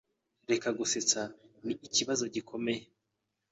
Reka gusetsa. Ni ikibazo gikomeye.